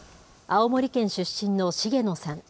青森県出身の重野さん。